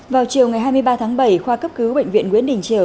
vào chiều ngày hai mươi ba tháng bảy khoa cấp cứu bệnh viện nguyễn đình triều